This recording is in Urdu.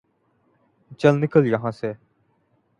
چل نکل یہا سے ـ